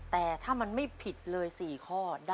แต่ถ้ามันไม่ผิดเลย๔ข้อ